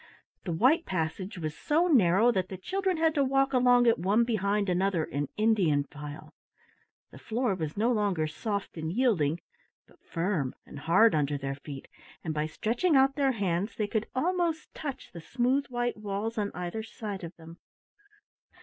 The white passage was so narrow that the children had to walk along it one behind another in Indian file. The floor was no longer soft and yielding but firm and hard under their feet, and by stretching out their hands they could almost touch the smooth white walls on either side of them.